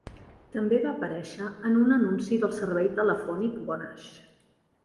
També va aparèixer en un anunci del servei telefònic Vonage.